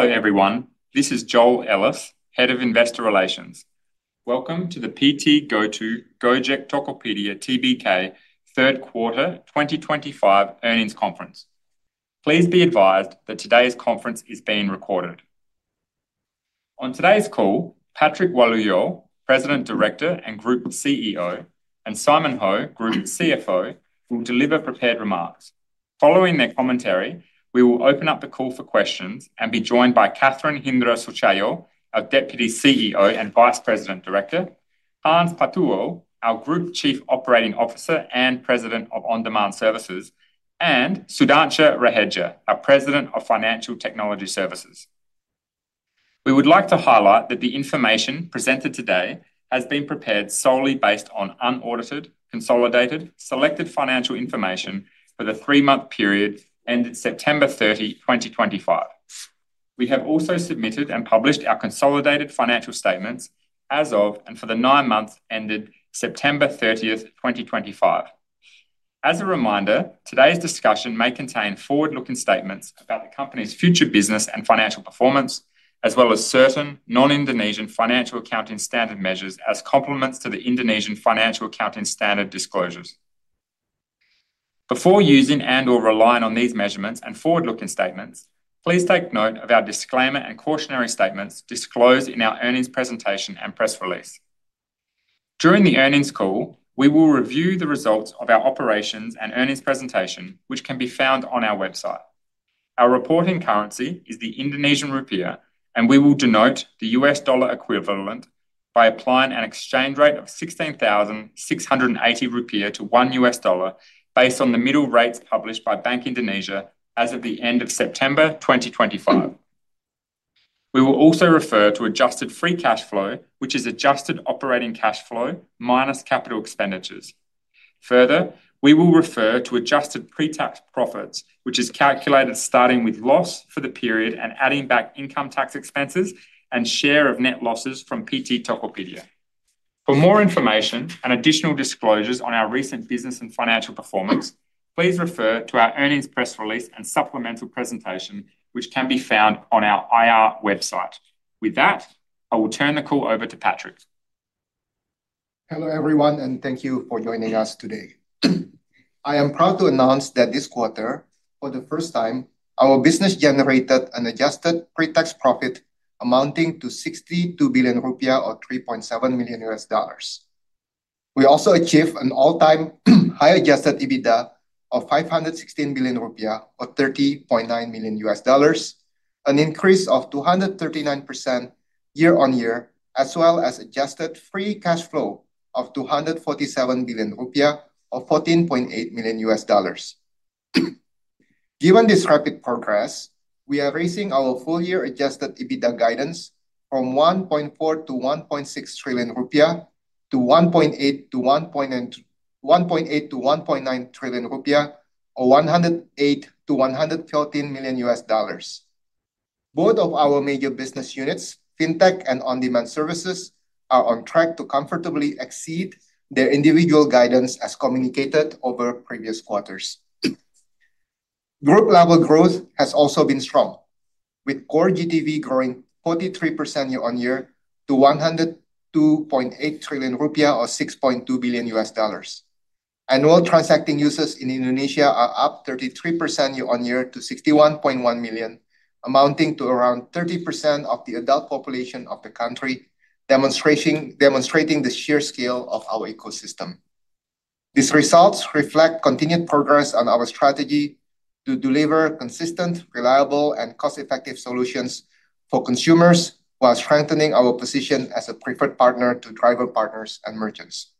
Hello everyone, this is Joel Ellis, Head of Investor Relations. Welcome to the PT GoTo Gojek Tokopedia Tbk third quarter 2025 earnings conference. Please be advised that today's conference is being recorded. On today's call, Patrick Walujo, President Director and Group CEO, and Simon Ho, Group CFO, will deliver prepared remarks. Following their commentary, we will open up the call for questions and be joined by Catherine Hindra Sutjahyo, our Deputy CEO and Vice President Director, Hans Patuwo, our Group Chief Operating Officer and President of On Demand Services, and Sudhanshu Raheja, our President of Financial Technology Services. We would like to highlight that the information presented today has been prepared solely based on unaudited and consolidated selected financial information for the three-month period ended September 30, 2025. We have also submitted and published our consolidated financial statements as of and for the nine months ended September 30, 2025. As a reminder, today's discussion may contain forward-looking statements about the company's future business and financial performance as well as certain non-Indonesian Financial Accounting Standard measures as complements to the Indonesian Financial Accounting Standard disclosures. Before using and or relying on these measurements and forward-looking statements, please take note of our disclaimer and cautionary statements disclosed in our earnings presentation and press release. During the earnings call, we will review the results of our operations and earnings presentation which can be found on our website. Our reporting currency is the Indonesian Rupiah and we will denote the U.S. dollar equivalent by applying an exchange rate of 16,680 Rupiah to $1 based on the middle rates published by Bank Indonesia as of the end of September 2025. We will also refer to adjusted free cash flow, which is adjusted operating cash flow minus capital expenditures. Further, we will refer to adjusted pre-tax profits, which is calculated starting with loss for the period and adding back income tax expenses and share of net losses from PT Tokopedia. For more information and additional disclosures on our recent business and financial performance, please refer to our earnings press release and supplemental presentation which can be found on our IR website. With that, I will turn the call over to Patrick. Hello everyone and thank you for joining us today. I am proud to announce that this quarter for the first time our business generated an adjusted pre-tax profit amounting to 62 billion rupiah or $3.7 million. We also achieved an all-time high adjusted EBITDA of 516 billion rupiah or $30.9 million, an increase of 239% year-on-year, as well as adjusted free cash flow of 247 billion rupiah or $14.8 million. Given this rapid progress, we are raising our full year adjusted EBITDA guidance from 1.4 trillion-1.6 trillion rupiah to 1.8 trillion-1.9 trillion rupiah or $108 million-$113 million. Both of our major business units, fintech and on-demand services, are on track to comfortably exceed their individual guidance. As communicated over previous quarters, group level growth has also been strong with Core GTV growing 43% year-on-year to 102.8 trillion rupiah or $6.2 billion. Annual transacting users in Indonesia are up 33% year-on-year to 61.1 million, amounting to around 30% of the adult population of the country, demonstrating the sheer scale of our ecosystem. These results reflect continued progress on our strategy to deliver consistent, reliable, and cost-effective solutions for consumers while strengthening our position as a preferred partner to driver partners and merchants.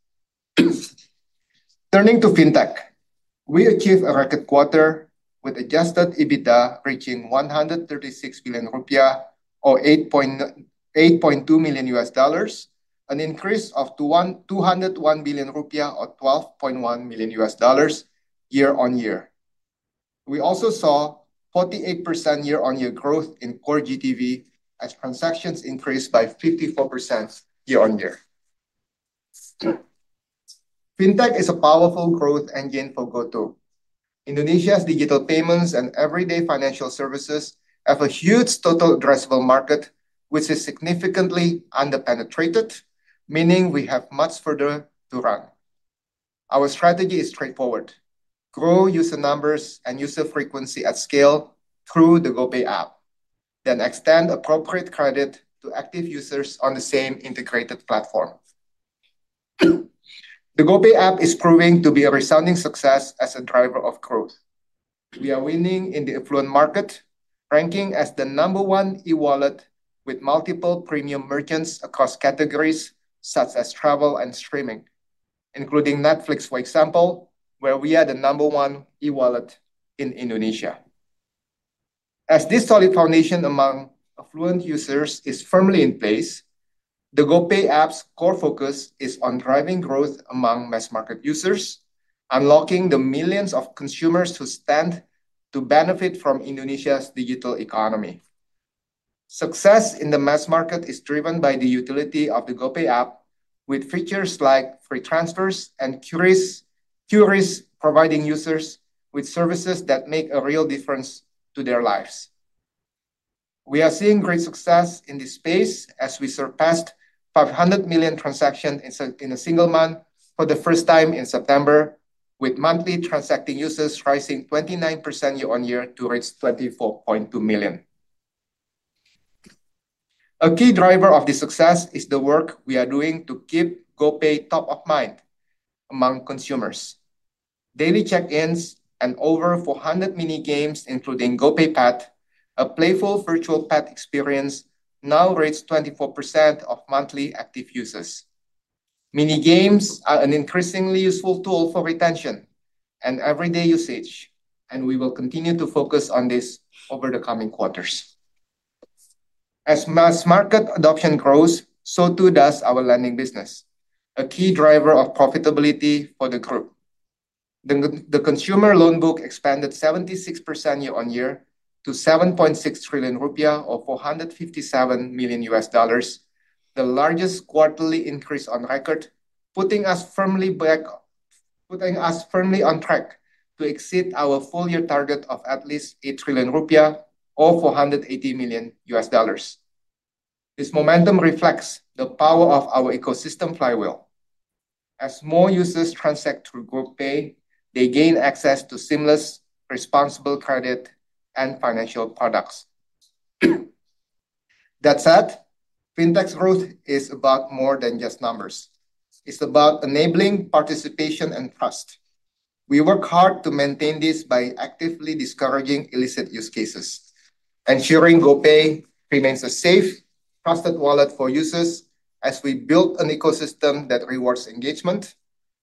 Turning to fintech, we achieved a record quarter with adjusted EBITDA reaching 136 billion rupiah or $8.2 million, an increase of 201 billion rupiah or $12.1 million year-on-year. We also saw 48% year-on-year growth in Core GTV as transactions increased by 54% year-on-year. Fintech is a powerful growth engine for GoTo. Indonesia's digital payments and everyday financial services have a huge total addressable market which is significantly underpenetrated, meaning we have much further to run. Our strategy is straightforward. Grow user numbers and user frequency at scale through the GoPay app, then extend appropriate credit to active users on the same integrated platform. The GoPay app is proving to be a resounding success as a driver of growth. We are winning in the affluent market, ranking as the number one e-wallet with multiple premium merchants across categories such as travel and streaming, including Netflix for example, where we are the number one e-wallet in Indonesia. As this solid foundation among affluent users is firmly in place. The GoPay app's core focus is on driving growth among mass market users, unlocking the millions of consumers who stand to benefit from Indonesia's digital economy. Success in the mass market is driven by the utility of the GoPay app with features like free transfers and queries, providing users with services that make a real difference to their lives. We are seeing great success in this space as we surpassed 500 million transactions in a single month for the first time in September, with monthly transacting users rising 29% year-on-year to reach 24.2 million. A key driver of this success is the work we are doing to keep GoPay top of mind among consumers. Daily check-ins and over 400 mini games, including GoPay Pet, a playful virtual pet experience, now reach 24% of monthly active users. Mini games are an increasingly useful tool for retention and everyday usage, and we will continue to focus on this over the coming quarters. As mass market adoption grows, so too does our lending business. A key driver of profitability for the group, the consumer loan book expanded 76% year-on-year to 7.6 trillion rupiah or $457 million, the largest quarterly increase on record, putting us firmly on track to exceed our full year target of at least 8 trillion rupiah or $480 million. This momentum reflects the power of our ecosystem flywheel. As more users transact through GoPay, they gain access to seamless, responsible credit and financial products. That said, fintech's growth is about more than just numbers, it's about enabling participation and trust. We work hard to maintain this by actively discouraging illicit use cases, ensuring GoPay remains a safe, trusted wallet for users as we build an ecosystem that rewards engagement,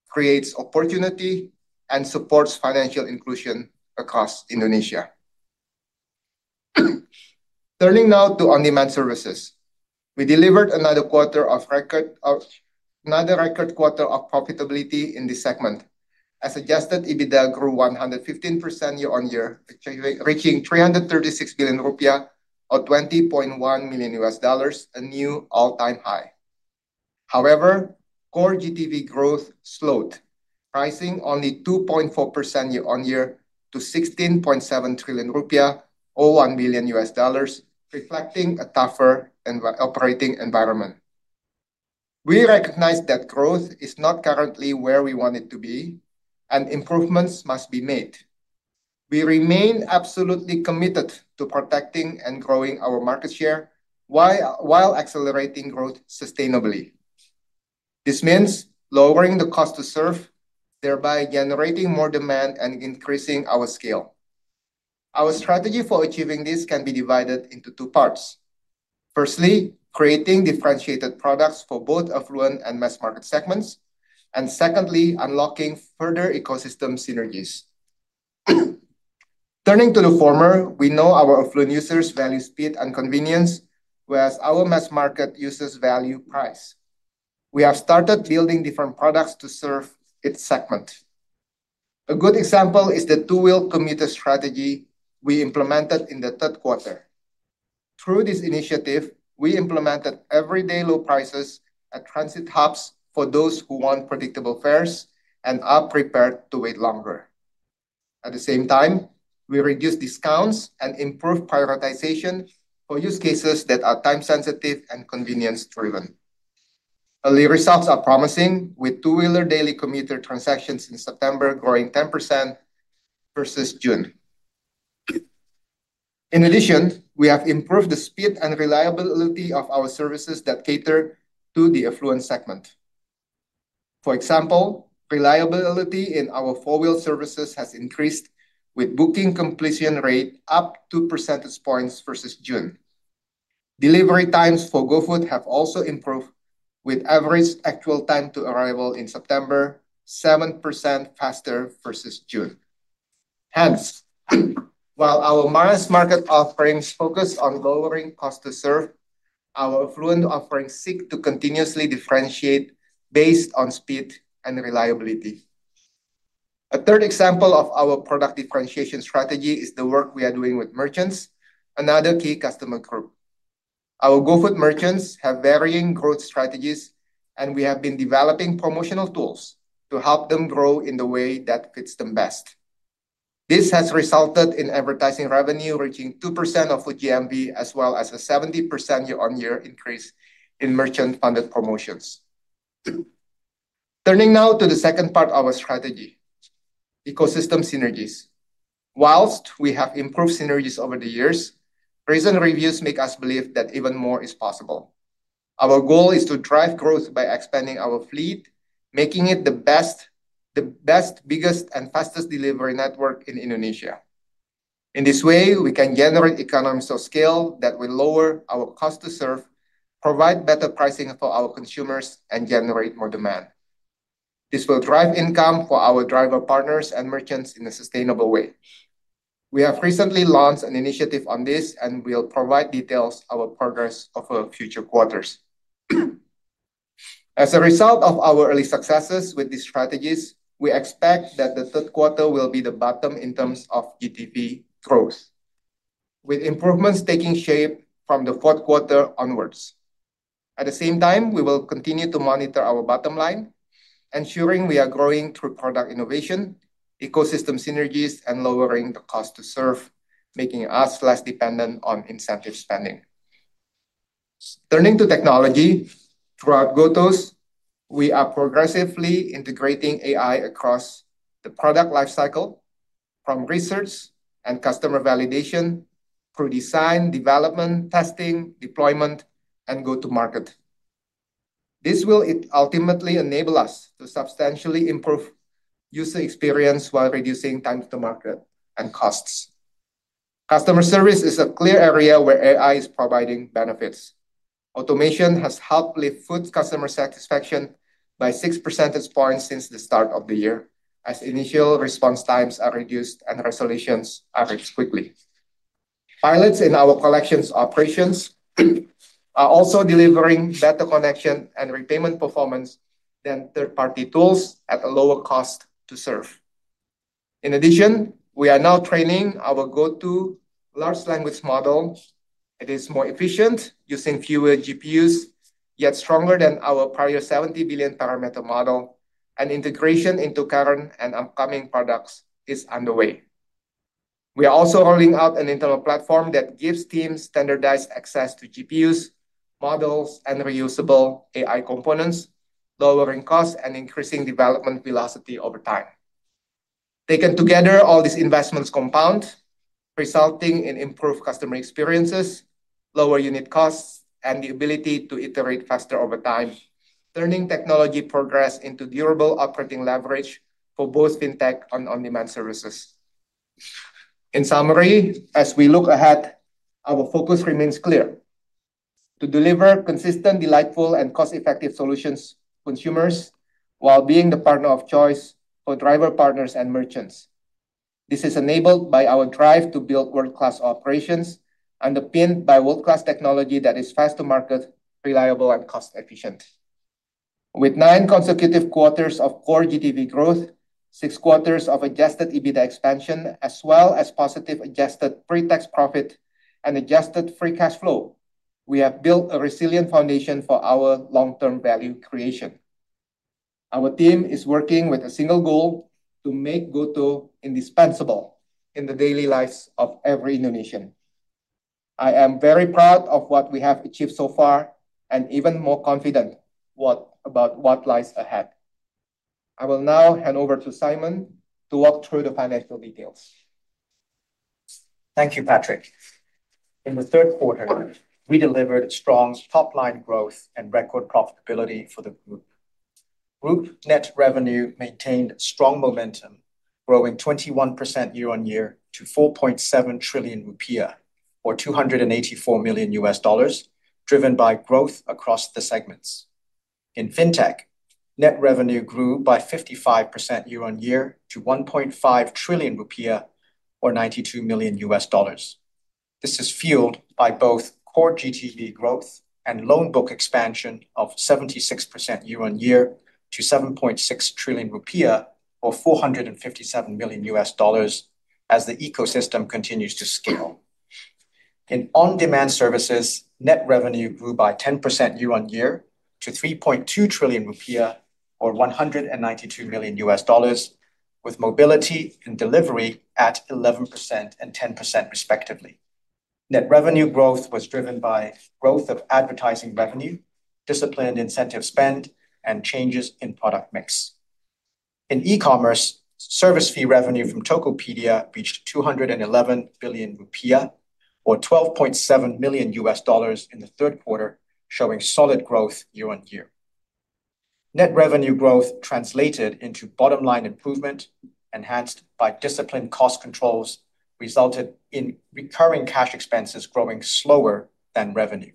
creates opportunity, and supports financial inclusion across Indonesia. Turning now to on-demand services, we delivered another record quarter of profitability in this segment. As suggested, adjusted EBITDA grew 115% year-on-year, reaching IDR 336 billion or $20.1 million, a new all-time high. However, Core GTV growth slowed, rising only 2.4% year-on-year to 16.7 trillion rupiah or $1 billion, reflecting a tougher operating environment. We recognize that growth is not currently where we want it to be, and improvements must be made. We remain absolutely committed to protecting and growing our market share while accelerating growth sustainably. This means lowering the cost to serve, thereby generating more demand and increasing our scale. Our strategy for achieving this can be divided into two parts. Firstly, creating differentiated products for both affluent and mass market segments, and secondly, unlocking further ecosystem synergies. Turning to the former, we know our affluent users value speed and convenience, whereas our mass market users value price. We have started building different products to serve each segment. A good example is the two-wheel commuter strategy we implemented in the third quarter. Through this initiative, we implemented everyday low prices at transit hubs for those who want predictable fares and are prepared to wait longer. At the same time, we reduce discounts and improve prioritization for use cases that are time sensitive and convenience driven. Early results are promising, with two-wheeler daily commuter transactions in September growing 10% versus June. In addition, we have improved the speed and reliability of our services that cater to the affluent segment. For example, reliability in our four-wheel services has increased, with booking completion rate up 2 percentage points versus June. Delivery times for GoFood have also improved, with average actual time to arrival in September 7% faster versus June. Hence, while our mass market offerings focus on lowering cost to serve, our affluent offerings seek to continuously differentiate based on speed and reliability. A third example of our product differentiation strategy is the work we are doing with merchants, another key customer group. Our GoFood merchants have varying growth strategies, and we have been developing promotional tools to help them grow in the way that fits them best. This has resulted in advertising revenue reaching 2% of GTV, as well as a 70% year-on-year increase in merchant funded promotions. Turning now to the second part of our strategy, ecosystem synergies. Whilst we have improved synergies over the years, recent reviews make us believe that even more is possible. Our goal is to drive growth by expanding our fleet, making it the best, biggest, and fastest delivery network in Indonesia. In this way, we can generate economies of scale that will lower our cost to serve, provide better pricing for our consumers, and generate more demand. This will drive income for our driver partners and merchants in a sustainable way. We have recently launched an initiative on this and will provide details on our progress over future quarters. As a result of our early successes with these strategies, we expect that the third quarter will be the bottom in terms of GTV growth with improvements taking shape from the fourth quarter onwards. At the same time, we will continue to monitor our bottom line, ensuring we are growing through product innovation, ecosystem synergies, and lowering the cost to serve, making us less dependent on incentive spending. Turning to technology throughout GoTo, we are progressively integrating AI across the product lifecycle from research and customer validation through design, development, testing, deployment, and go to market. This will ultimately enable us to substantially improve user experience while reducing time to market and costs. Customer service is a clear area where AI is providing benefits. Automation has helped lift food customer satisfaction by 6% since the start of the year as initial response times are reduced and resolutions average quickly. Pilots in our collections operations are also delivering better connection and repayment performance than third-party tools at a lower cost to serve. In addition, we are now training our GoTo large language model. It is more efficient, using fewer GPUs, yet stronger than our prior 70 billion parameter model, and integration into current and upcoming products is underway. We are also rolling out an internal platform that gives teams standardized access to GPUs, models, and reusable AI components, lowering costs and increasing development velocity over time. Taken together, all these investments compound, resulting in improved customer experiences, lower unit costs, and the ability to iterate faster over time, turning technology progress into durable operating leverage for both fintech and on-demand services. In summary, as we look ahead, our focus remains clear: to deliver consistent, delightful, and cost-effective solutions to consumers while being the partner of choice for driver partners and merchants. This is enabled by our drive to build world-class operations underpinned by world-class technology that is fast to market, reliable, and cost efficient. With nine consecutive quarters of Core GTV growth, six quarters of adjusted EBITDA expansion, as well as positive adjusted pre-tax profit and adjusted free cash flow, we have built a resilient foundation for our long-term value creation. Our team is working with a single goal to make GoTo indispensable in the daily lives of every Indonesian. I am very proud of what we have achieved so far and even more confident about what lies ahead. I will now hand over to Simon to walk through the financial details. Thank you, Patrick. In the third quarter. We delivered strong top line growth and record profitability for the group. Group net revenue maintained strong momentum, growing 21% year-on-year to 4.7 trillion rupiah or $284 million, driven by growth across the segments. In fintech, net revenue grew by 55% year-on-year to 1.5 trillion rupiah or $92 million. This is fueled by both Core GTV growth and loan book expansion of 76% year-on-year to 7.6 trillion rupiah or $457 million. As the ecosystem continues to scale in on-demand services, net revenue grew by 10% year-on-year to 3.2 trillion rupiah or $192 million, with mobility and delivery at 11% and 10% respectively. Net revenue growth was driven by growth of advertising revenue, disciplined incentive spend, and changes in product mix in e-commerce. Service fee revenue from Tokopedia reached 211 billion rupiah or $12.7 million in the third quarter, showing solid growth year-on-year. Net revenue growth translated into bottom line improvement, enhanced by disciplined cost controls, resulted in recurring cash expenses growing slower than revenue.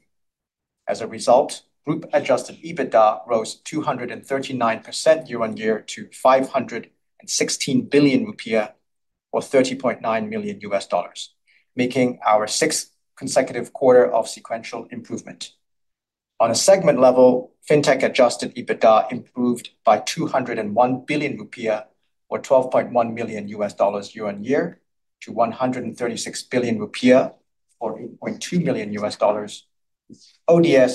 As a result, group adjusted EBITDA rose 239% year-on-year to 516 billion rupiah or $30.9 million, making our sixth consecutive quarter of sequential improvement. On a segment level, fintech adjusted EBITDA improved by 201 billion rupiah or $12.1 million year-on-year to 136 billion rupiah or $8.2 million. ODS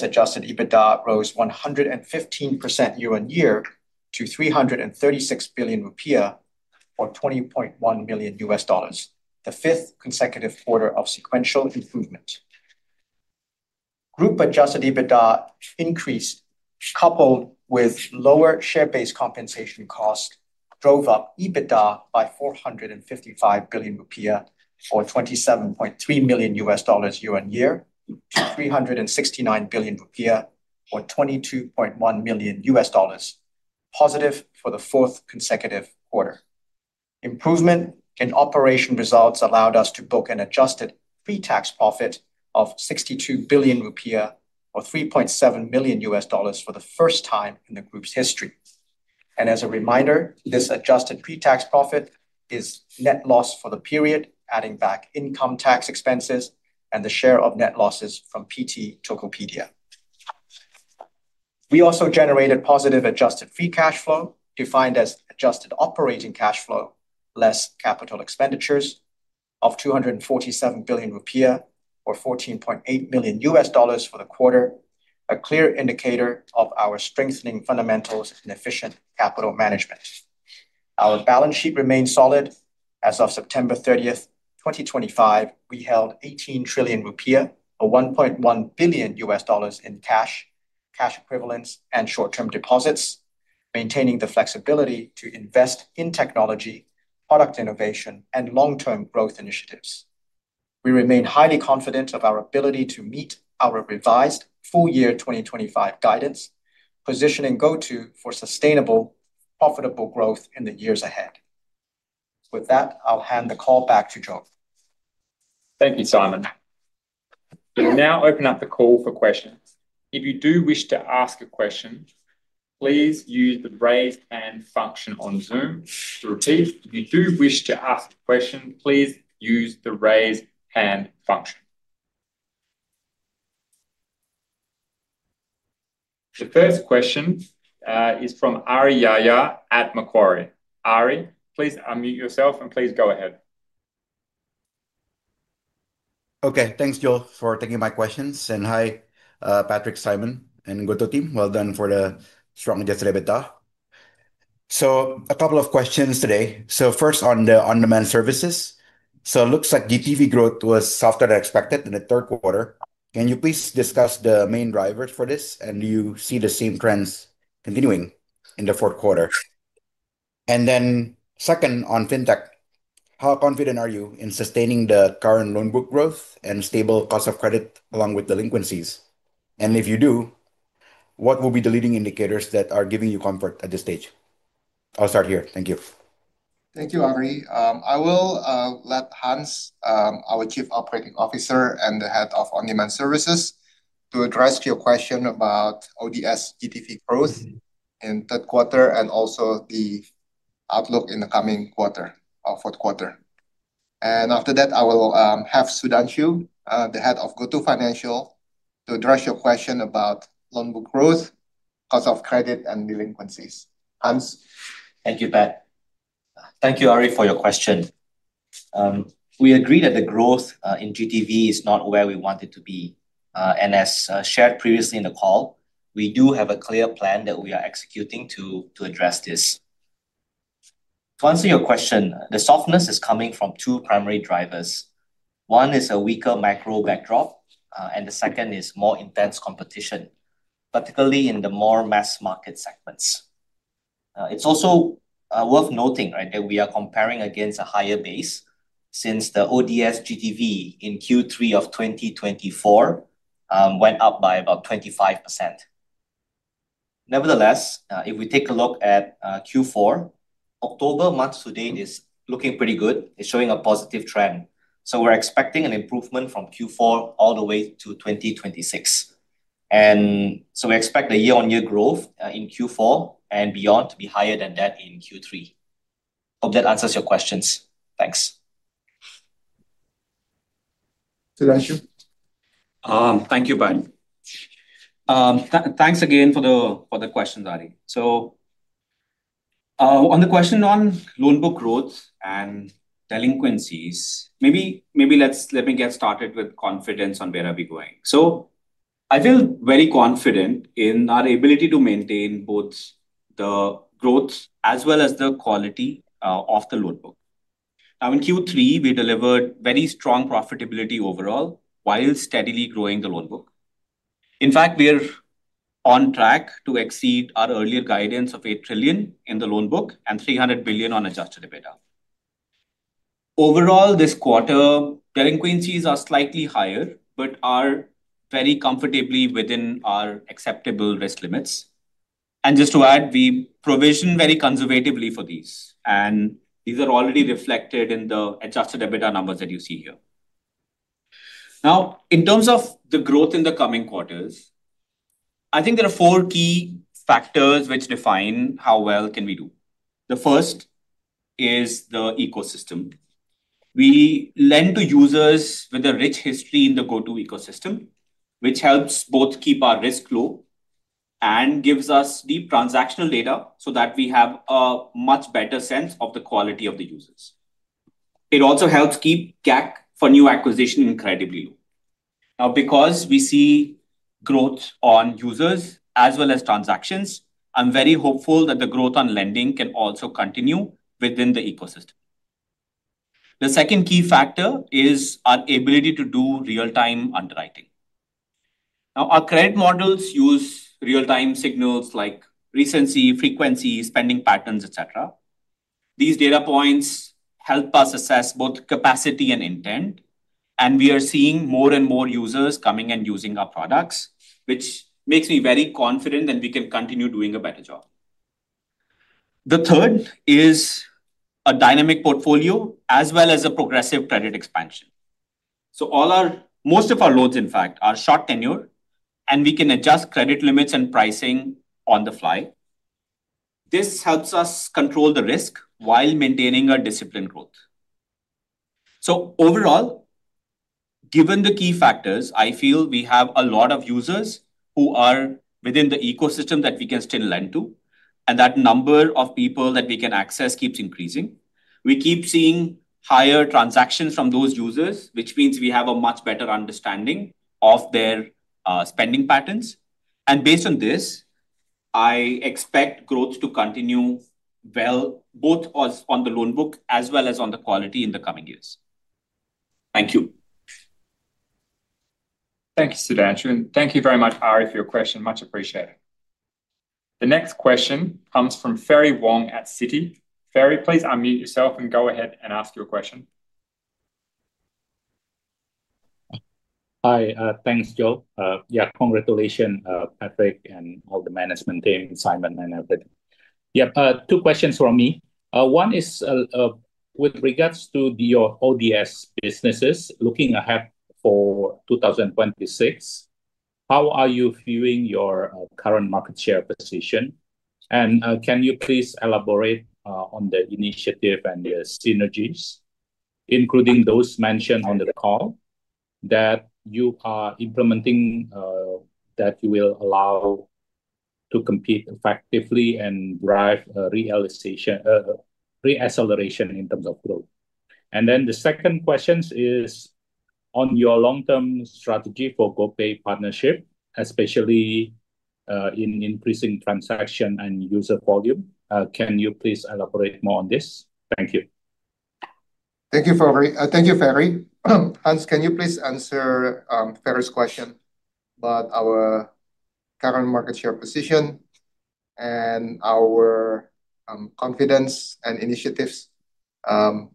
adjusted EBITDA rose 115% year-on-year to IDR 336 billion or $20.1 million, the fifth consecutive quarter of sequential improvement. Group adjusted EBITDA increased, coupled with lower share-based compensation cost, drove up EBITDA by 455 billion rupiah or $27.3 million year-on-year to 369 billion rupiah or $22.1 million positive for the fourth consecutive quarter. Improvement in operation results allowed us to book an adjusted pre-tax profit of 62 billion rupiah or $3.7 million for the first time in the group's history. As a reminder, this adjusted pre-tax profit is net loss for the period adding back income tax expenses and the share of net losses from PT Tokopedia. We also generated positive adjusted free cash flow defined as adjusted operating cash flow less capital expenditures of 247 billion rupiah or $14.8 million for the quarter, a clear indicator of our strengthening fundamentals in efficient capital management. Our balance sheet remains solid. As of September 30th, 2025, we held 18 trillion rupiah or $1.1 billion in cash, cash equivalents, and short-term deposits, maintaining the flexibility to invest in technology, product innovation, and long-term growth initiatives. We remain highly confident of our ability to meet our revised full year 2025 guidance, positioning GoTo for sustainable profitable growth in the years ahead. With that, I'll hand the call back to Joel. Thank you, Simon. We'll now open up the call for questions. If you do wish to ask a question, please use the raise hand function on Zoom. If you do wish to ask a question, please use the raise hand function. The first question is from Ari Jahja at Macquarie. Ari, please unmute yourself and please go ahead. Okay, thanks Joel for taking my questions and hi Patrick, Simon, and GoTo team. Well done for the swap meets rep. A couple of questions today. First, on the on-demand services, it looks like GTV growth was softer than expected in the third quarter. Can you please discuss the main drivers for this, and do you see the same trends continuing in the fourth quarter? Second, on Fintech, how confident are you in sustaining the current loan book growth and stable cost of credit along with delinquencies? If you do, what will be the leading indicators that are giving you comfort at this stage? I'll start here. Thank you. Thank you, Henry. I will let Hans, our Chief Operating Officer and the Head of On-Demand Services, address your question about ODS GTV growth in the third quarter and also the outlook in the coming quarter or fourth quarter. After that, I will have Sudhanshu, the Head of GoTo Financial, address your question about loan book growth, cost of credit, and delinquencies. Hans. Thank you Pat. Thank you Ari, for your question. We agree that the growth in GTV is not where we want it to be, and as shared previously in the call, we do have a clear plan that we are executing to address this. To answer your question, the softness is coming from two primary drivers. One is a weaker macro backdrop, and the second is more intense competition, particularly in the more mass market segments. It's also worth noting that we are comparing against a higher base since the on-demand services GTV in Q3 of 2024 went up by about 25%. Nevertheless, if we take a look at Q4, October month to date is looking pretty good. It's showing a positive trend. We are expecting an improvement from Q4 all the way to 2026, and we expect the year-on-year growth in Q4 and beyond to be higher than that in Q3. Hope that answers your questions. Thanks. Thank you, Pat. Thanks again for the questions, Ari. On the question on loan book growth and delinquencies, let me get started with confidence on where we are going. I feel very confident in our ability to maintain both the growth as well as the quality of the loan book. In Q3 we delivered very strong profitability overall while steadily growing the loan book. In fact, we are on track to exceed our earlier guidance of 8 trillion in the loan book and 300 billion on adjusted EBITDA overall this quarter. Delinquencies are slightly higher but are very comfortably within our acceptable risk limits. Just to add, we provision very conservatively for these and these are already reflected in the adjusted EBITDA numbers that you see here. In terms of the growth in the coming quarters, I think there are four key factors which define how well we can do. The first is the ecosystem. We lend to users with a rich history in the GoTo ecosystem, which helps both keep our risk low and gives us deep transactional data so that we have a much better sense of the quality of the user. It also helps keep [GAC] for new acquisition incredibly. Because we see growth on users as well as transactions, I'm very hopeful that the growth on lending can also continue within the ecosystem. The second key factor is our ability to do real time underwriting. Our credit models use real time signals like recency, frequency, spending patterns, et cetera. These data points help us assess both capacity and intent. We are seeing more and more users coming and using our products, which makes me very confident that we can continue doing a better job. The third is a dynamic portfolio as well as a progressive credit expansion. Most of our loans in fact are short tenure and we can adjust credit limits and pricing on the fly. This helps us control the risk while maintaining our disciplined growth. Overall, given the key factors, I feel we have a lot of users who are within the ecosystem that we can still lend to and that number of people that we can access keeps increasing. We keep seeing higher transactions from those users, which means we have a much better understanding of their spending patterns. Based on this, I expect growth to continue well, both on the loan book as well as on the quality in the coming years. Thank you. Thank you, Sudhanshu, and thank you very much, Ari, for your question. Much appreciated. The next question comes from Ferry Wong at Citi. Ferry, please unmute yourself and go ahead and ask your question. Hi. Thanks, Joe. Yeah, congratulations, Patrick, and all the management team, Simon, and everything. Yep. Two questions from me. One is with regards to your ODS businesses looking ahead for 2026, how are you viewing your current market share position, and can you please elaborate on the initiative and the synergies, including those mentioned on the call, that you are implementing that you will allow to compete effectively and drive realization reacceleration in terms of growth. The second question is on your long term strategy for GoPay partnership, especially in increasing transaction and user volume. Can you please elaborate more on this? Thank you. Thank you. Thank you, Ferry. Hans, can you please answer Ferry's question about our current market share position and our confidence and initiatives to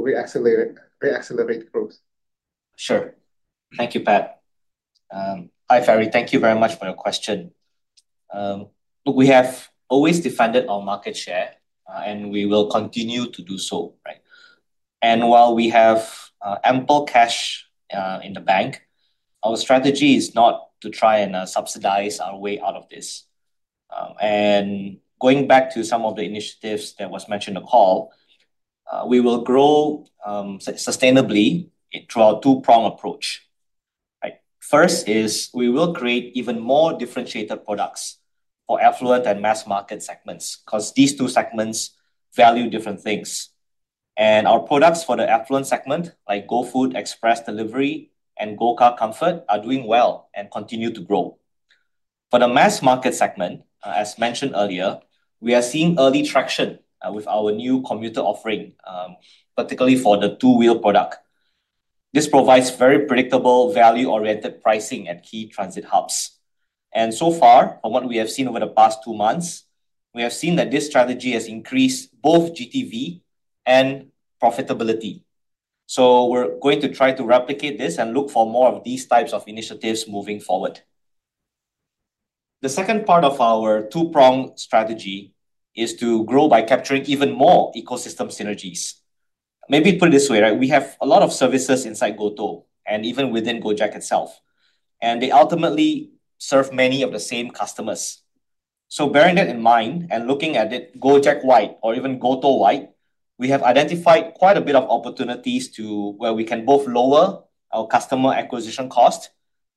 reaccelerate growth? Sure. Thank you, Pat. Hi Ferry, thank you very much for your question. Look, we have always defended our market share and we will continue to do so. While we have ample cash in the bank, our strategy is not to try and subsidize our way out of this. Going back to some of the initiatives that were mentioned, we will grow sustainably through our two-prong approach. First, we will create even more differentiated products for affluent and mass market segments because these two segments value different things, and our products for the affluent segment like GoFood Express delivery and GoCar Comfort are doing well and continue to grow. For the mass market segment, as mentioned earlier, we are seeing early traction with our new commuter offering, particularly for the two-wheel product. This provides very predictable, value-oriented pricing at key transit hubs. From what we have seen over the past two months, this strategy has increased both GTV and profitability. We are going to try to replicate this and look for more of these types of initiatives moving forward. The second part of our two-prong strategy is to grow by capturing even more ecosystem synergies. Maybe put it this way: we have a lot of services inside GoTo and even within Gojek itself, and they ultimately serve many of the same customers. Bearing that in mind and looking at it Gojek-wide or even GoTo-wide, we have identified quite a bit of opportunities where we can both lower our customer acquisition cost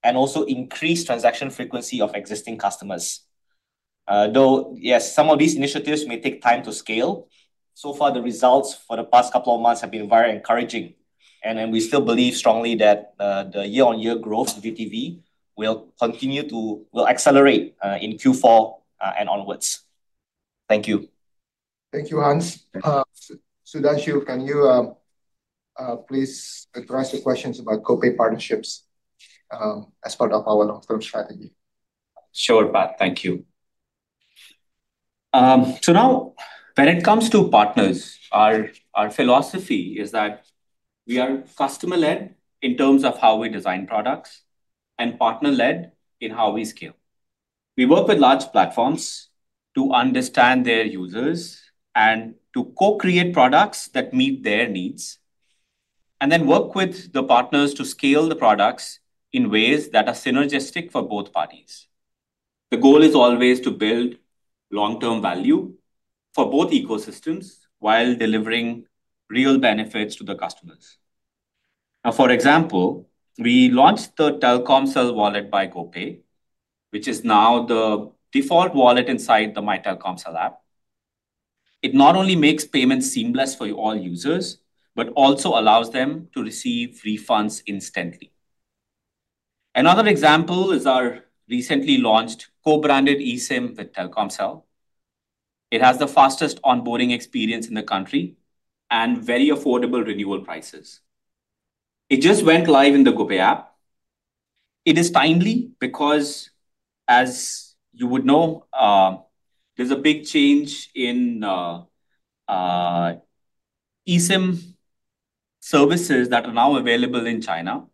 and also increase transaction frequency of existing customers. Though some of these initiatives may take time to scale, so far the results for the past couple of months have been very encouraging, and we still believe strongly that the year-on-year growth GTV will continue to accelerate in Q4 and onwards. Thank you. Thank you, Hans. Sudhanshu, can you please address the questions about GoPay partnerships as part of our long term strategy? Sure Pat, thank you. Now, when it comes to partners, our philosophy is that we are customer led in terms of how we design products and partner led in how we scale. We work with large platforms to understand their users and to co-create products that meet their needs, and then work with the partners to scale the products in ways that are synergistic for both parties. The goal is always to build long-term value for both ecosystems while delivering real benefits to the customers. For example, we launched the Telkomsel wallet by GoPay, which is now the default wallet inside the MyTelkomsel app. It not only makes payments seamless for all users but also allows them to receive refunds instantly. Another example is our recently launched co-branded eSIM with Telkomsel. It has the fastest onboarding experience in the country and very affordable renewal prices. It just went live in the GoPay app. It is timely because, as you would know, there's a big change in eSIM services that are now available in China,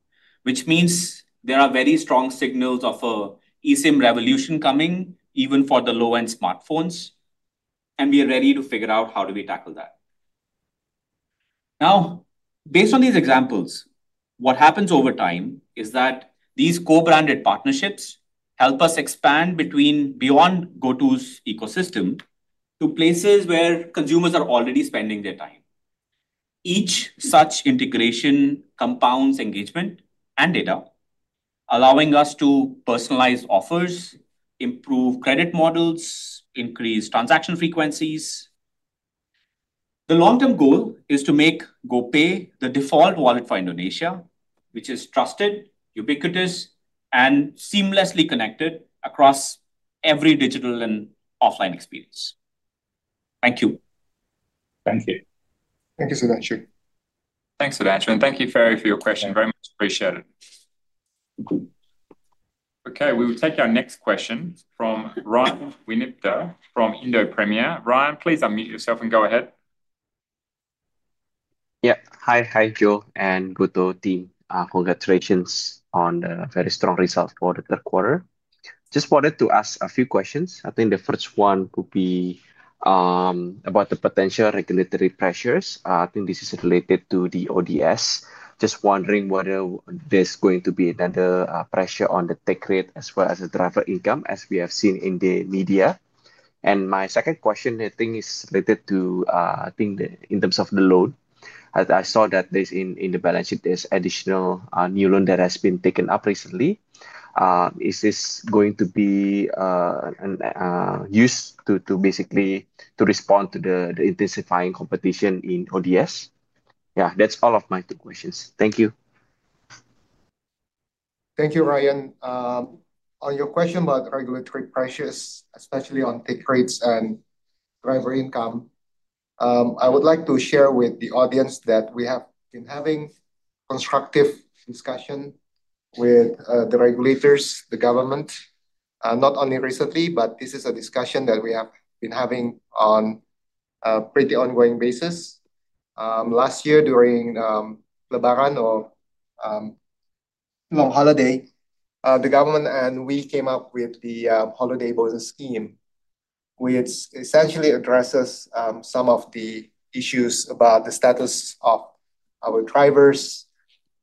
which means there are very strong signals of an eSIM revolution coming even for the low-end smartphones, and we are ready to figure out how do we tackle that. Now, based on these examples, what happens over time is that these co-branded partnerships help us expand beyond GoTo's ecosystem to places where consumers are already spending their time. Each such integration compounds engagement and data, allowing us to personalize offers, improve credit models, and increase transaction frequencies. The long-term goal is to make GoPay the default wallet for Indonesia, which is trusted, ubiquitous, and seamlessly connected across every digital and offline experience. Thank you. Thank you. Thank you, Sudhanshu. Thanks Sudhanshu and thank you Ferry for your question very much. Appreciate it. Okay, we will take our next question from Ryan Winipta from Indo Premier. Ryan, please unmute yourself and go ahead. Yeah, hi. Hi Joel and GoTo team, congratulations on the very strong results for the third quarter. Just wanted to ask a few questions. I think the first one would be about the potential regulatory pressures. I think this is related to the on-demand services. Just wondering whether there's going to be another pressure on the tech rate as well as the driver income as we have seen in the media. My second question I think is related to, I think in terms of the loan, I saw that in the. Balance sheet, there's additional new loan that. Has been taken up recently. Is this going to be? Used basically. To respond to the intensifying competition in on-demand services? Yeah, that's all of my two questions. Thank you. Thank you. Ryan, on your question about regulatory pressures, especially on take rates and driver income, I would like to share with the audience that we have been having constructive discussion with the regulators, the government, not only recently, but this is a discussion that we have been having on a pretty ongoing basis. Last year during Lebaran long holiday, the government and we came up with the holiday bonus scheme, which essentially addresses some of the issues about the status of our drivers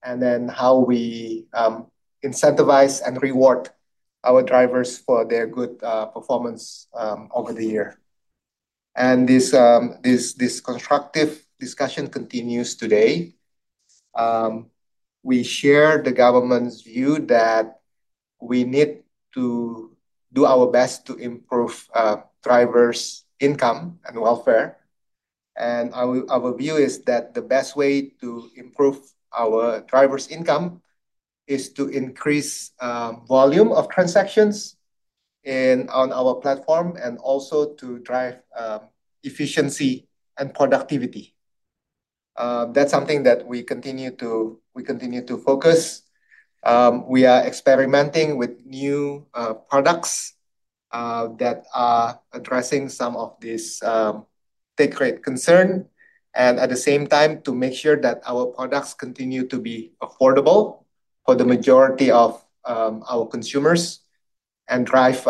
and then how we incentivize and reward our drivers for their good performance over the year. This discussion continues today. We share the government's view that we need to do our best to improve drivers' income and welfare. Our view is that the best way to improve our drivers' income is to increase volume of transactions on our platform and also to drive efficiency and productivity. That's something that we continue to focus on. We are experimenting with new products that are addressing some of this take rate concern and at the same time to make sure that our products continue to be affordable for the majority of our consumers and drive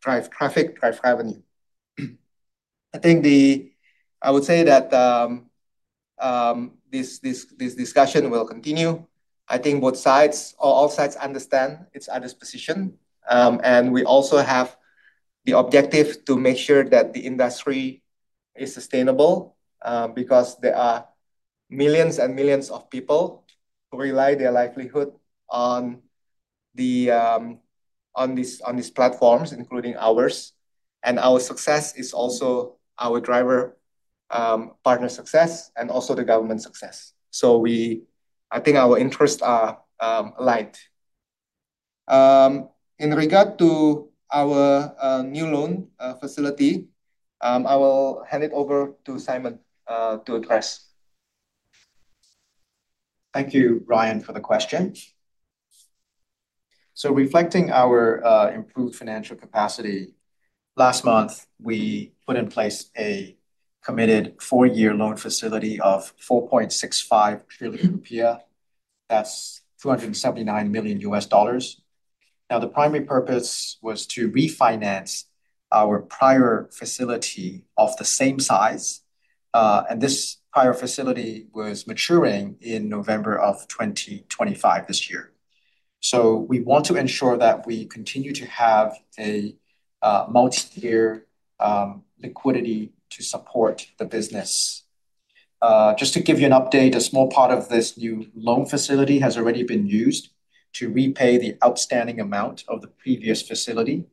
traffic, drive revenue. I would say that this discussion will continue. I think all sides understand each other's position and we also have the objective to make sure that the industry is sustainable because there are millions and millions of people who rely their livelihood on these platforms, including ours. Our success is also our driver partners' success and also the government's success. I think our interests are aligned. In regard to our new loan facility, I will hand it over to Simon to address. Thank you Ryan for the question. Reflecting our improved financial capacity, last month we put in place a committed four-year loan facility of 4.65 trillion rupiah, that's $279 million. The primary purpose was to refinance our prior facility of the same size, and this prior facility was maturing in November 2025. We want to ensure that we continue to have multi-year liquidity to support the business. Just to give you an update, a small part of this new loan facility has already been used to repay the outstanding amount of the previous facility.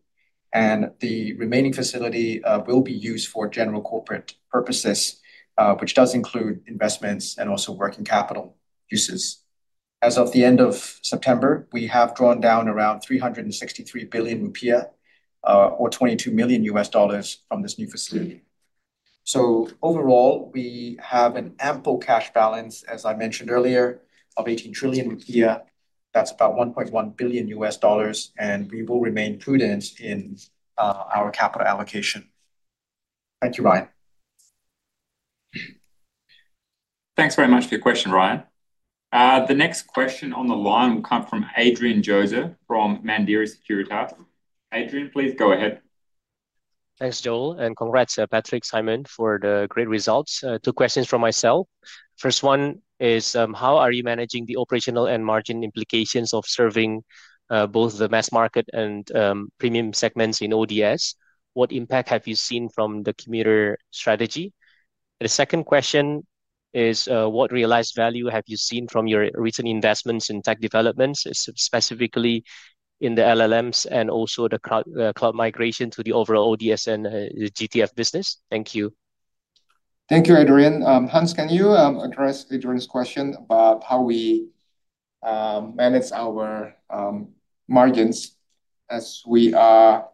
The remaining facility will be used for general corporate purposes, which does include investments and also working capital uses. As of the end of September, we have drawn down around 363 billion rupiah, or $22 million, from this new facility. Overall, we have an ample cash balance, as I mentioned earlier, of 18 trillion rupiah, that's about $1.1 billion, and we will remain prudent in our capital allocation. Thank you, Ryan. Thanks very much for your question, Ryan. The next question on the line will come from Adrian Joezer from Mandiri Sekuritas. Adrian, please go ahead. Thanks Joel, and congrats Patrick, Simon, for the great results. Two questions from myself. First one is how are you managing the operational and margin implications of serving both the mass market and premium segments in ODS? What impact have you seen from the commuter strategy? The second question is what realized value have you seen from your recent investments in tech developments, specifically in the LLMs and also the cloud migration to the overall ODS and GTV business? Thank you. Thank you, Adrian. Hans, can you address Adrian's question about how we manage our margins as we are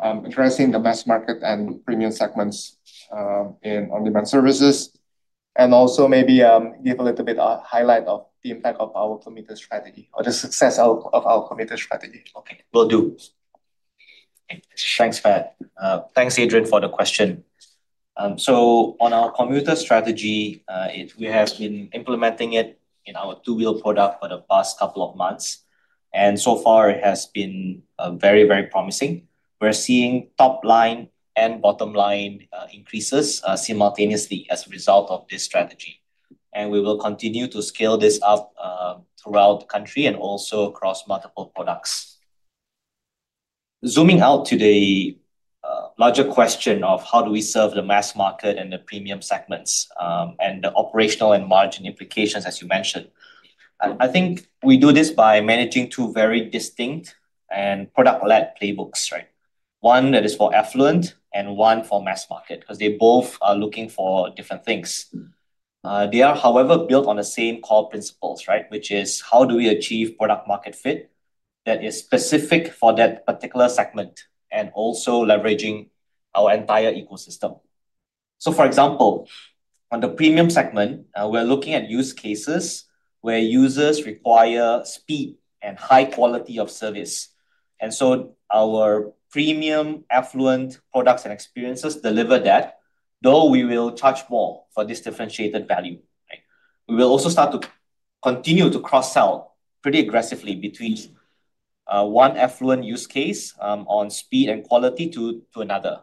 addressing the mass market and premium segments in on-demand services, and also maybe give a little bit of highlight of the impact of our committed strategy or the success of our two-wheel commuter strategy? Okay, will do. Thanks, Pat. Thanks Adrian for the question. On our commuter strategy, we have been implementing it in our two-wheel product for the past couple of months, and so far it has been very, very promising. We're seeing top line and bottom line increases simultaneously as a result of this strategy, and we will continue to scale this up throughout the country and also across multiple products. Zooming out to the larger question of how do we serve the mass market and the premium segments and the operational and margin implications, as you mentioned, I think we do this by managing two very distinct and product-led playbooks, one that is for affluent and one for mass market because they both are looking for different things. They are, however, built on the same core principles, which is how do we achieve product market fit that is specific for that particular segment and also leveraging our entire ecosystem. For example, on the premium segment, we're looking at use cases where users require speed and high quality of service, and our premium affluent products and experiences deliver that, though we will charge more for this differentiated value. We will also start to continue to cross-sell pretty aggressively between one affluent use case on speed and quality to another.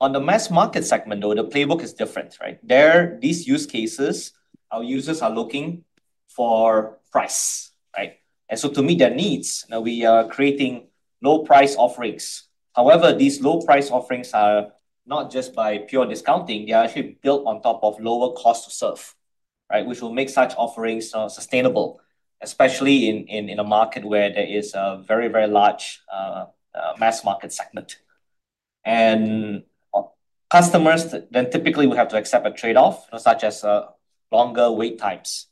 On the mass market segment, the playbook is different. These use cases, our users are looking for price, right? To meet their needs, we are creating low price offerings. However, these low price offerings are not just by pure discounting; they are actually built on top of lower cost to serve, which will make such offerings sustainable, especially in a market where there is a very, very large mass market segment, and customers then typically will have to accept a trade-off such as longer wait times.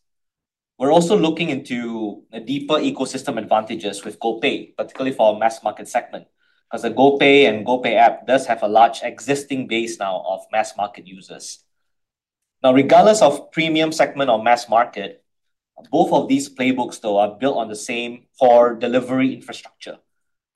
We're also looking into the deeper ecosystem advantages with GoPay, particularly for the mass market segment, because the GoPay and GoPay app does have a large existing base now of mass market users. Regardless of premium segment or mass market, both of these playbooks are built on the same delivery infrastructure.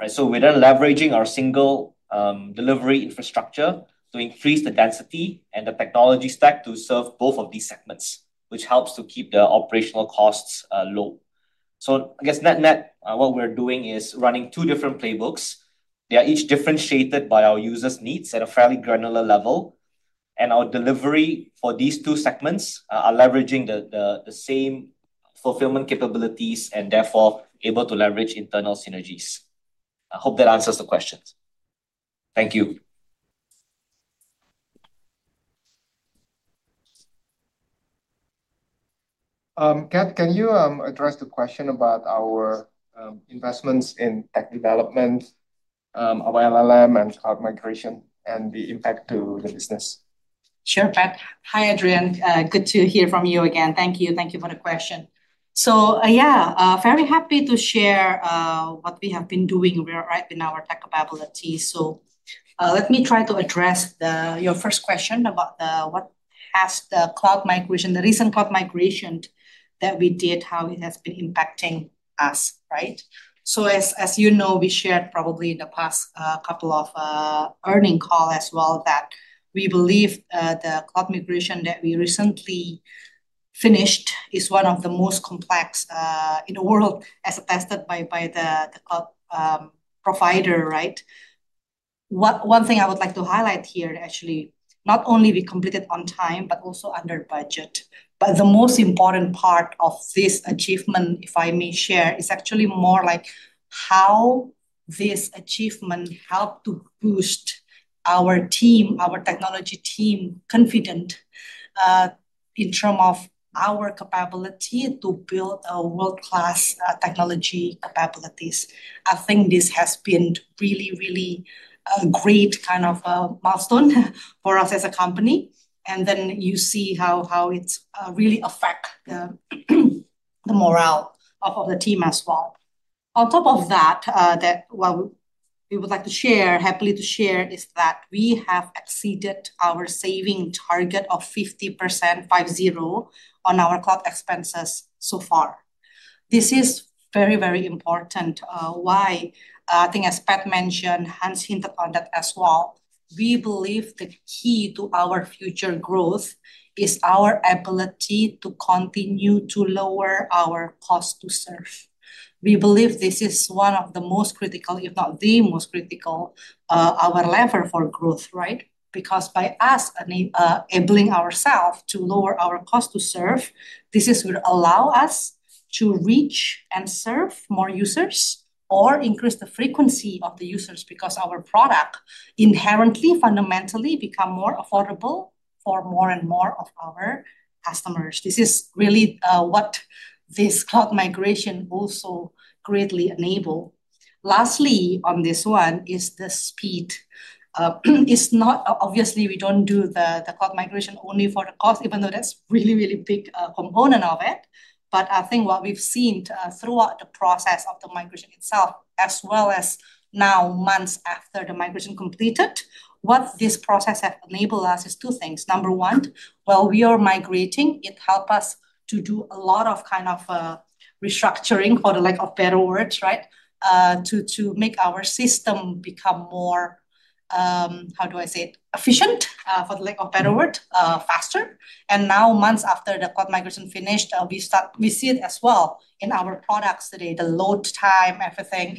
We're leveraging our single delivery infrastructure to increase the density and the technology stack to serve both of these segments, which helps to keep the operational costs low. Net net, what we're doing is running two different playbooks. They are each differentiated by our users' needs at a fairly granular level, and our delivery for these two segments is leveraging the same fulfillment capabilities and therefore able to leverage internal synergies. I hope that answers the questions. Thank you. Cat, can you address the question about our investments in tech development, our LLM and cloud migration, and the impact to the business? Sure. Hi Adrian, good to hear from you again. Thank you, thank you for the question. Very happy to share what we have been doing right in our tech capability. Let me try to address your first question about what has the cloud migration, the recent cloud migration that we did, how it has been impacting us. As you know, we shared probably in the past couple of earnings calls as well that we believe the cloud migration that we recently finished is one of the most complex in the world as attested by the cloud provider. One thing I would like to highlight here, actually not only we completed on time but also under budget. The most important part of this achievement, if I may share, is actually more like how this achievement helps to boost our team, our technology team, confidence in terms of our capability to build world class technology capabilities. I think this has been really, really a great kind of milestone for us as a company and you see how it really affects the morale of the team as well. On top of that, what we would like to share, happily to share, is that we have exceeded our saving target of 50% on our cloud expenses so far. This is very, very important. I think as Pat mentioned, Hans hinted on that as well. We believe the key to our future growth is our ability to continue to lower our cost to serve. We believe this is one of the most critical, if not the most critical, lever for growth. By us enabling ourselves to lower our cost to serve, this will allow us to reach and serve more users or increase the frequency of the users because our product inherently, fundamentally becomes more affordable for more and more of our customers. This is really what this cloud migration also greatly enabled. Lastly on this one is the speed. Obviously, we do not do the cloud migration only for the cost, even though that's really, really a big component of it. What we've seen throughout the process of the migration itself as well as now months after the migration completed, what this process has enabled us is two things. Number one, while we are migrating, it helps us to do a lot of kind of restructuring for the lack of better words to make our system become more, how do I say it, efficient for lack of better word, faster. Now months after the cloud migration finished, we see it as well in our products today, the load time, everything.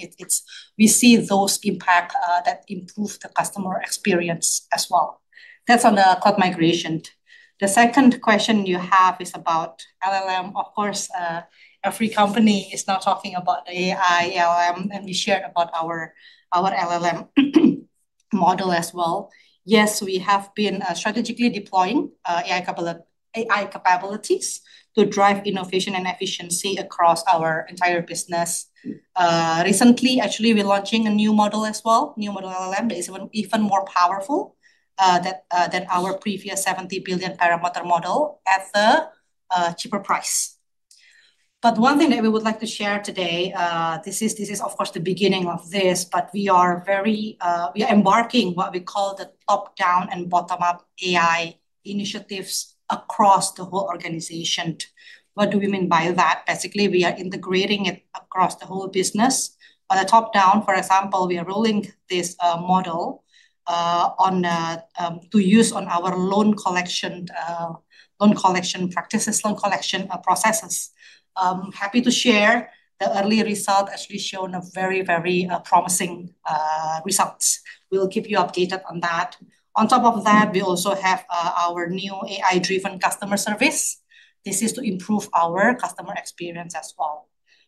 We see those impact that improve the customer experience as well. That's on the cloud migration. The second question you have is about LLM. Of course every company is now talking about the AI LLM and we shared about our LLM model as well. Yes, we have been strategically deploying AI capabilities to drive innovation and efficiency across our entire business recently. Actually we're launching a new model as well. New model LLM is even more powerful than our previous 70 billion parameter model at the cheaper price. One thing that we would like to share today, this is of course the beginning of this. We are embarking what we call the top down and bottom up AI initiatives across the whole organization. What do we mean by that? Basically we are integrating it across the whole business. On the top down, for example, we are rolling this model to use on our loan collection practices, loan collection processes. Happy to share the early result actually shown a very, very promising results. We'll keep you updated on that. On top of that we also have our new AI driven customer service. This is to improve our customer experience as well.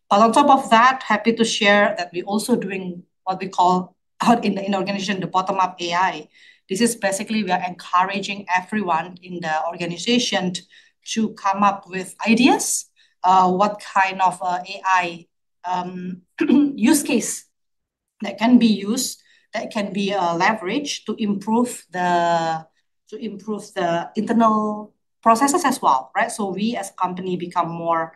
On top of that, happy to share that we also doing what we call out in the inorganization, the bottom up AI. This is basically we are encouraging everyone in the organization to come up with ideas what kind of AI use case that can be used that can be leveraged to improve the, to improve the internal processes as well. Right. We as company become more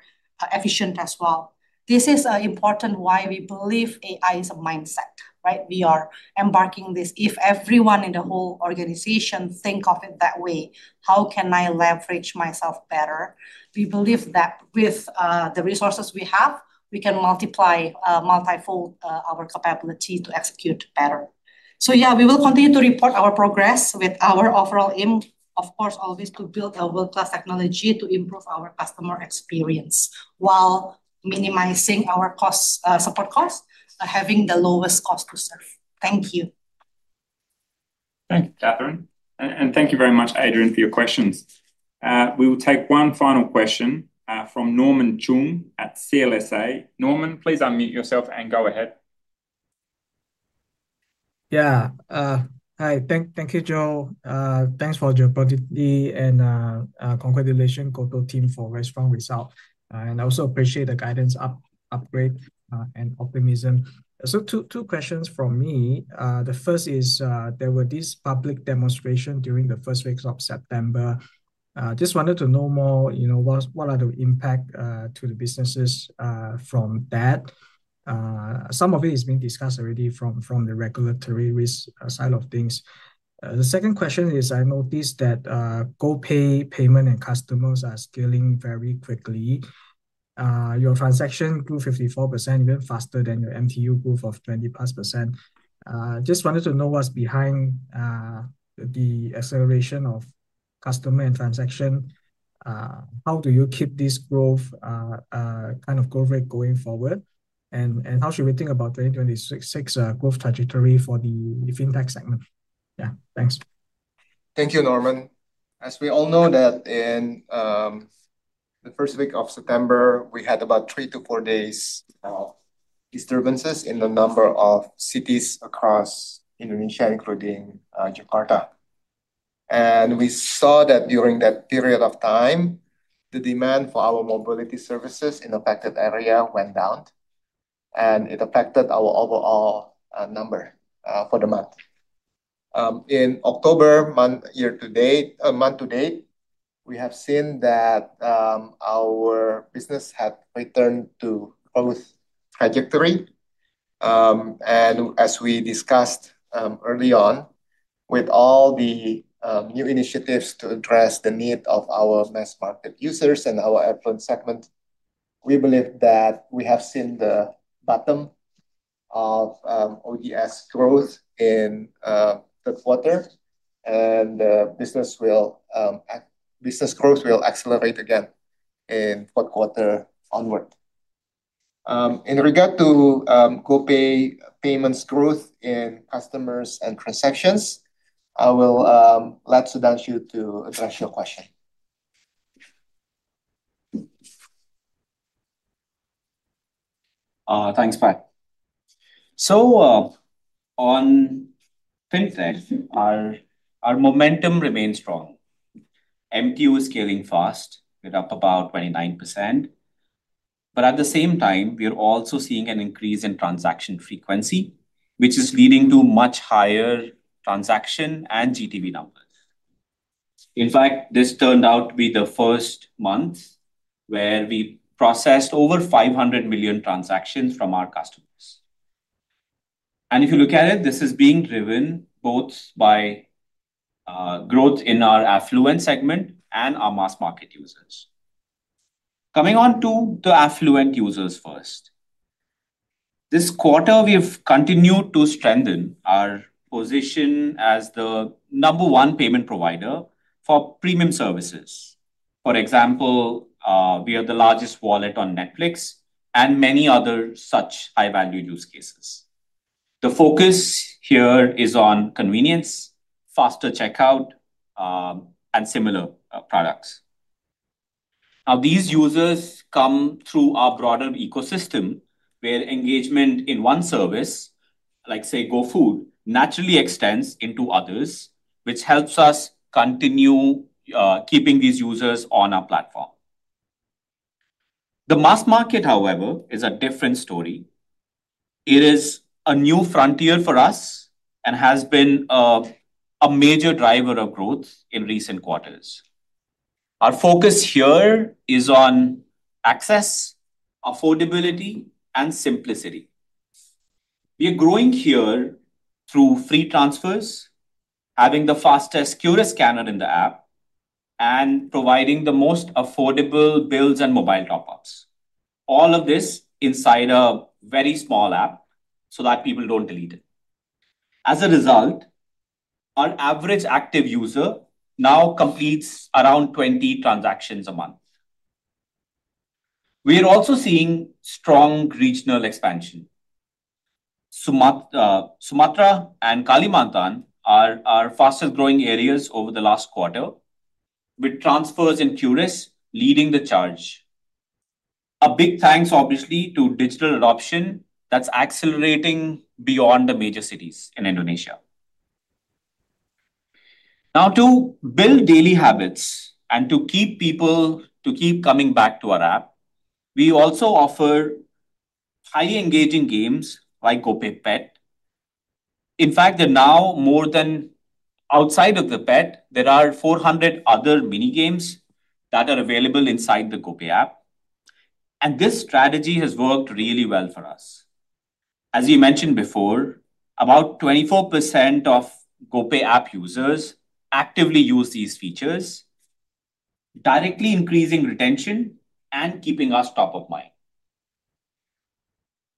efficient as well. This is important why we believe AI is a mindset. Right? We are embarking this. If everyone in the whole organization think of it that way, how can I leverage myself better? We believe that with the resources we have, we can multiply, multifold our capability to execute better. We will continue to report our progress with our overall aim, of course, always to build a world class technology to improve our customer experience while minimizing our cost support cost, having the lowest cost to serve. Thank you. Thank you, Catherine, and thank you very much, Adrian, for your questions. We will take one final question from Norman Choong at CLSA. Norman, please unmute yourself and go ahead. Yeah, hi. Thank you, Joel. Thanks for your productivity and congratulations, GoTo team, for very strong result. I also appreciate the guidance upgrade and optimism. Two questions from me. The first is there were these public demonstration during the first weeks of September. Just wanted to know more, you know, what are the impact to the businesses from that? Some of it has been discussed already from the regulatory risk side of things. The second question is I noticed that GoPay payment and customers are scaling very quickly. Your transaction grew 54% even faster than. Your MTU growth of 20+%. Just wanted to know what's behind the. Acceleration of customer and transaction. How do you keep this growth, kind of growth rate, going forward and how? Should we think about 2026 growth trajectory for the Fintech segment? Yeah, thanks. Thank you, Norman. As we all know, in the first week of September we had about three to four days of disturbances in a number of cities across Indonesia, including Jakarta. We saw that during that period of time, the demand for our mobility services in affected areas went down, and it affected our overall number for the month. In October, month to date, we have seen that our business had returned to a growth trajectory, and as we discussed early on, with all the new initiatives to address the need of our mass market users and our airplane segment, we believe that we have seen the bottom of ODS growth in the quarter and business growth will accelerate again in the fourth quarter onward. In regard to GoPay payments, growth in customers and transactions, I will let Sudhanshu address your question. Thanks Pat. Since then our momentum remains strong. MTU is scaling fast, we're up about 29% but at the same time we are also seeing an increase in transaction frequency, which is leading to much higher transaction and GTV numbers. In fact, this turned out to be the first month where we processed over 500 million transactions from our customers. If you look at it, this is being driven both by growth in our affluent segment and our mass market users. Coming on to the affluent users first, this quarter we have continued to strengthen our position as the number one payment provider for premium services. For example, we are the largest wallet on Netflix and many other such high value use cases. The focus here is on convenience, faster checkout, and similar products. These users come through our broader ecosystem where engagement in one service, like say GoFood, naturally extends into others, which helps us continue keeping these users on our platform. The mass market, however, is a different story. It is a new frontier for us and has been a major driver of growth in recent quarters. Our focus here is on access, affordability, and simplicity. We are growing here through free transfers, having the fastest QR scanner in the app, and providing the most affordable bills and mobile top ups. All of this inside a very small app so that people don't delete it. As a result, our average active user now completes around 20 transactions a month. We are also seeing strong regional expansion. Sumatra and Kalimantan are our fastest growing areas over the last quarter, with transfers in QRIS leading the charge. A big thanks obviously to digital adoption that's accelerating beyond the major cities in Indonesia. Now, to build daily habits and to keep people coming back to our app, we also offer highly engaging games like GoPay Pet. In fact, there are now more than, outside of the pet, 400 other mini games that are available inside the GoPay app, and this strategy has worked really well for us. As you mentioned before, about 24% of GoPay app users actively use these features directly, increasing retention and keeping us top of mind.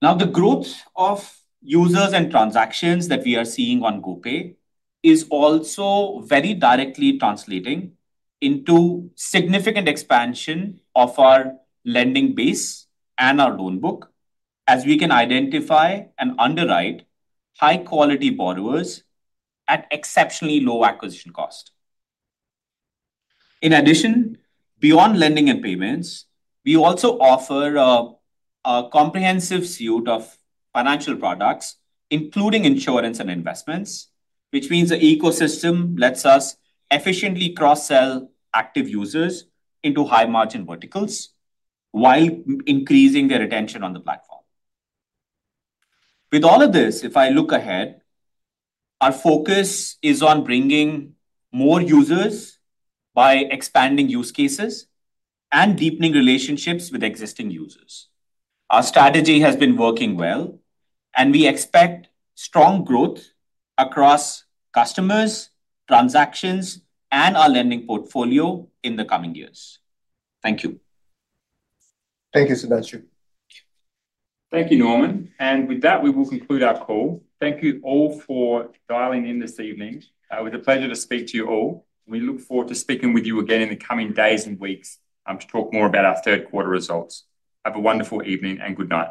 The growth of users and transactions that we are seeing on GoPay is also very directly translating into significant expansion of our lending base and our loan book as we can identify and underwrite high quality borrowers at exceptionally low acquisition cost. In addition, beyond lending and payments, we also offer a comprehensive suite of financial products, including insurance and investments, which means the ecosystem lets us efficiently cross sell active users into high margin verticals while increasing their attention on the platform. With all of this, if I look ahead, our focus is on bringing more users by expanding use cases and deepening relationships with existing users. Our strategy has been working well, and we expect strong growth across customers, transactions, and our lending portfolio in the coming years. Thank you. Thank you Sudhanshu, thank you Norman, and with that we will conclude our call. Thank you all for dialing in this evening. It was a pleasure to speak to you all. We look forward to speaking with you again in the coming days and weeks to talk more about our third quarter results. Have a wonderful evening and good night.